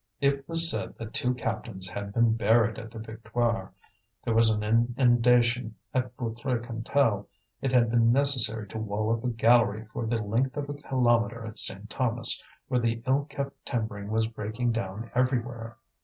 It was said that two captains had been buried at the Victoire; there was an inundation at Feutry Cantel, it had been necessary to wall up a gallery for the length of a kilometre at Saint Thomas, where the ill kept timbering was breaking down everywhere.